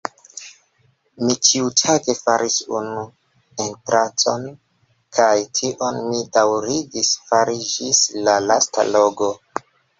Mi ĉiutage faris unu entranĉon, kaj tion mi daŭrigis fari ĝis la lasta logo.